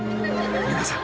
皆さん